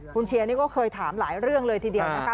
คุณเชียร์นี่ก็เคยถามหลายเรื่องเลยทีเดียวนะคะ